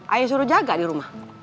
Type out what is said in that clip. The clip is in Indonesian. ayo suruh jaga di rumah